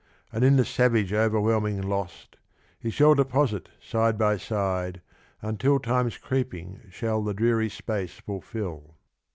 ^.nd in the savage overv^hclming lost, He shall deposit side by side, until Time's creeping shall the dreary space fulfil.